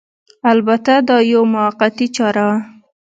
البته دا یوه موقتي چاره وه